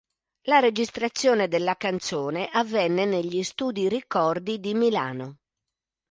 La registrazione della canzone avvenne negli studi Ricordi di Milano.